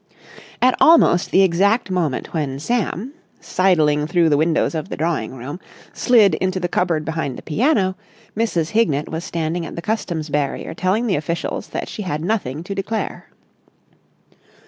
At almost the exact moment when Sam, sidling through the windows of the drawing room, slid into the cupboard behind the piano, Mrs. Hignett was standing at the Customs barrier telling the officials that she had nothing to declare.